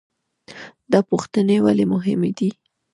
دا پوښتنې ولې مهمې دي؟